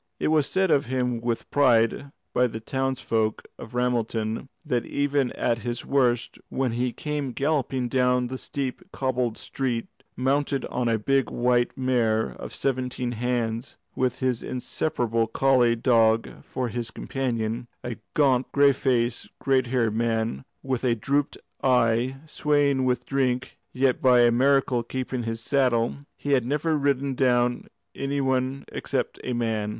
It was said of him with pride by the townsfolk of Ramelton, that even at his worst, when he came galloping down the steep cobbled streets, mounted on a big white mare of seventeen hands, with his inseparable collie dog for his companion, a gaunt, grey faced, grey haired man, with a drooping eye, swaying with drink, yet by a miracle keeping his saddle, he had never ridden down any one except a man.